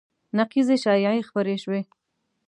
نقیضې شایعې خپرې شوې